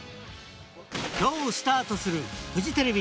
今日スタートするフジテレビ